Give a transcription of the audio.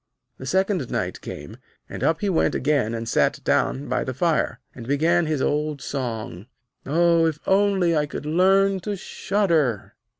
The second night came, and up he went again and sat down by the fire, and began his old song: 'Oh, if only I could learn to shudder.'